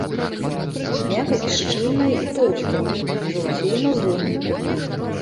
Мякаць шчыльная і тоўстая, жаўцее на зломе.